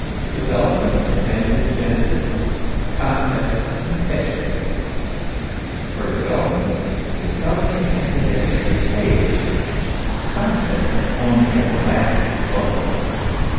Development advances gently, contest impetuously; for de velopment is self contented at every stage, contest only at the last blow.